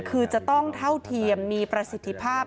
คือจะต้องเท่าเทียมมีประสิทธิภาพ